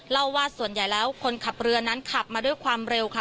เล่าว่าส่วนใหญ่แล้วคนขับเรือนั้นขับมาด้วยความเร็วค่ะ